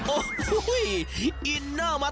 โอ้โฮอินเนอร์มาตรงนี้